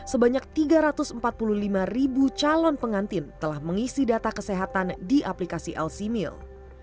sebanyak tiga ratus empat puluh lima ribu calon pengantin telah mengisi data kesehatan di aplikasi lcmil